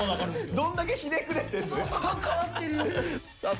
どんだけひねくれてんだよ。